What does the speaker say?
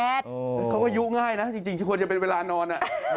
โอ้เขาก็ยุ่ง่ายนะจริงควรเป็นเวลานอน